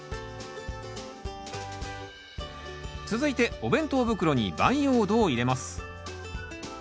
続いてお弁当袋に培養土を入れます。